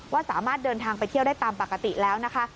ว่าสามารถเดินทางไปเที่ยวได้ตามปกติแล้วนะคะ